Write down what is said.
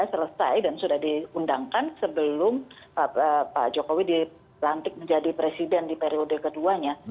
selesai dan sudah diundangkan sebelum pak jokowi dilantik menjadi presiden di periode keduanya